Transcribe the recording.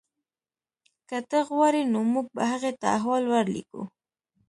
که ته غواړې نو موږ به هغې ته احوال ورلیږو